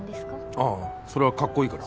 ああそれはかっこいいから。